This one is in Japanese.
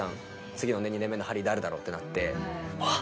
次のね２年目のハリー誰だろうってなってあっ！